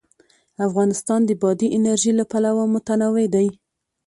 افغانستان د بادي انرژي له پلوه متنوع دی.